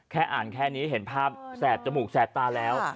แค่อ่านแค่นี้เห็นภาพแสบจมูกแสบตาแล้ว